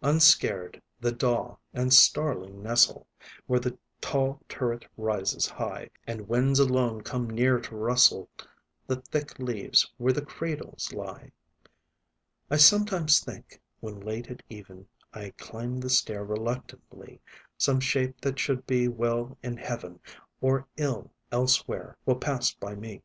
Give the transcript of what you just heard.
Unscared, the daw and starling nestle, Where the tall turret rises high, And winds alone come near to rustle The thick leaves where their cradles lie, I sometimes think, when late at even I climb the stair reluctantly, Some shape that should be well in heaven, Or ill elsewhere, will pass by me.